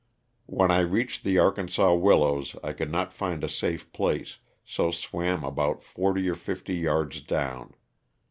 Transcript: When I reached the Arkansas willows I could not fiud a safe place, so swam about forty or fifty yards down.